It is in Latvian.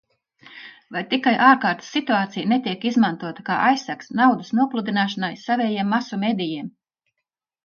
Vai tikai ārkārtas situācija netiek izmantota kā aizsegs naudas nopludināšanai savējiem masu medijiem?